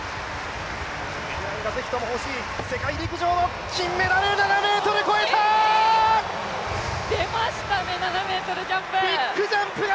メダルがぜひとも欲しい、世界陸上の金メダル。出ましたね、７ｍジャンプ！